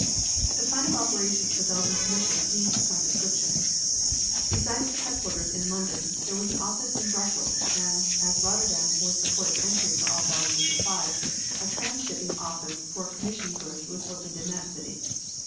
The plan of operation of the Belgian Commission needs some description. Besides the headquarters in London there was an office in Brussels, and, as Rotterdam was the port of entry for all Belgian supplies, a transshipping office for commission goods was opened in that city.